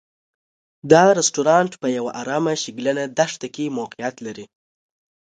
دا رسټورانټ په یوه ارامه شګلنه دښته کې موقعیت لري.